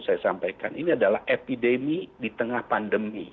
saya sampaikan ini adalah epidemi di tengah pandemi